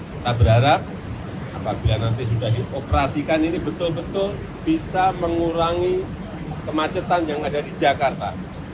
kita berharap apabila nanti sudah dioperasikan ini betul betul bisa mengurangi kemacetan yang ada di jakarta